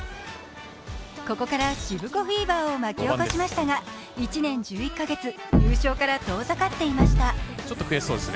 ここからしぶこフィーバーを巻き起こしましたが１年１１カ月、優勝から遠ざかっていました。